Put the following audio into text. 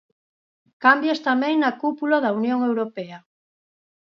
Cambios tamén na cúpula da Unión Europea.